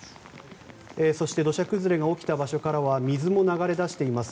そして、土砂崩れが起きた場所からは水も流れ出しています。